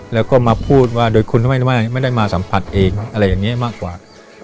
แล้วก็มาพูดว่าโดยคุณไม่ได้มาสัมผัสเองอะไรอย่างนี้มากกว่า